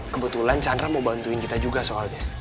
kebetulan chandra mau bantuin kita juga soalnya